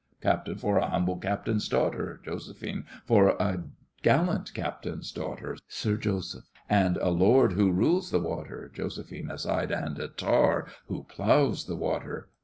CAPT. For a humble captain's daughter— JOS. For a gallant captain's daughter— SIR JOSEPH. And a lord who rules the water— JOS. (aside). And a tar who ploughs the water!